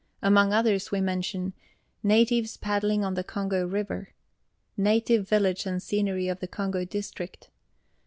Among others, we mention: Natives Paddling on the Congo River. Native Village and Scenery in the Congo District.